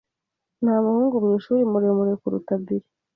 Nta muhungu mwishuri muremure kuruta Bill.